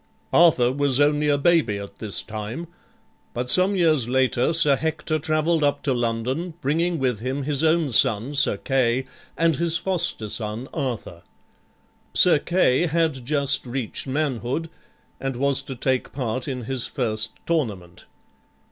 Arthur was only a baby at this time, but some years later Sir Hector traveled up to London, bringing with him his own son, Sir Kay, and his foster son, Arthur. Sir Kay had just reached manhood and was to take part in his first tournament.